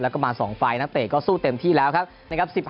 แล้วก็มา๒ฟ้ายนักเรทก็สู้เต็มที่แล้วครับ